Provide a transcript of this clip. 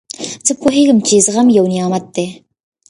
زه پوهېږم، چي زغم یو نعمت دئ.